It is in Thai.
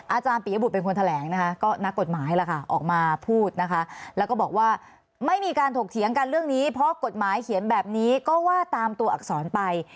อาจารย์ปียบุตรเป็นคนแถลงนะคะก็นักกฎหมายล่ะค่ะออกมาพูดนะคะแล้วก็บอกว่าไม่มีการถกเถียงกันเรื่องนี้เพราะกฎหมายเขียนแบบนี้ก็ว่าตามตัวอักษรไป